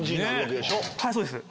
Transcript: はいそうです。